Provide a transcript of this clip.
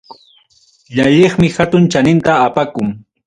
Llalliqmi hatun chaninta apakun.